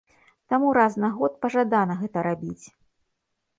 Таму раз на год пажадана гэта рабіць.